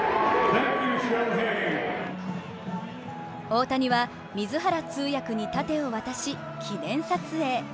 大谷は水原通訳に盾を渡し、記念撮影。